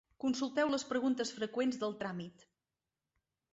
Consulteu les Preguntes freqüents del tràmit.